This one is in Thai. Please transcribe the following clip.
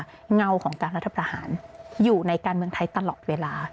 เงาของการรัฐประหารอยู่ในการเมืองไทยตลอดเวลา